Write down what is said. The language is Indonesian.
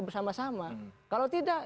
bersama sama kalau tidak